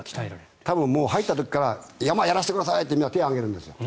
多分、入った時から山をやらしてくださいってみんな手を上げるんですよ。